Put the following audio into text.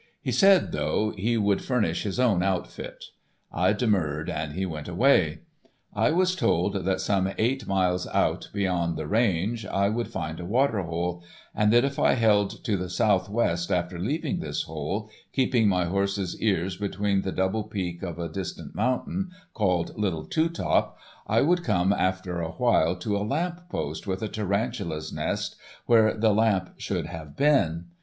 He said, though, he would furnish his own outfit. I demurred and he went away. I was told that some eight miles out beyond the range I would find a water hole, and that if I held to the southwest after leaving this hole, keeping my horse's ears between the double peak of a distant mountain called Little Two Top, I would come after a while to a lamp post with a tarantula's nest where the lamp should have been.